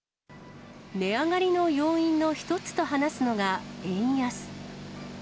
値上がりの要因の一つと話すのが、円安。